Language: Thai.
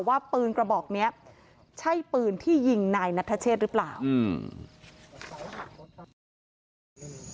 ว่าปืนกระบอกเนี้ยใช่ปืนที่ยิงนายนัทเชษหรือเปล่าอืม